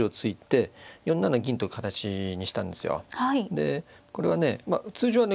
でこれはね通常はね